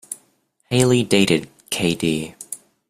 Hailey dated k.d.